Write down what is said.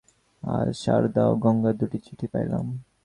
আজ সারদা ও গঙ্গার দুইটি চিঠি পাইলাম।